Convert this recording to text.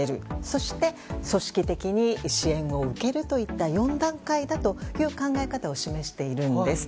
そして、組織的に支援を受けるといった４段階だという考え方を示しているんです。